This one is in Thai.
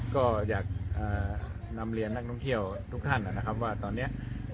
ก็อยากนำเรียนนักท่องเที่ยวทุกท่านนะครับว่าตอนนี้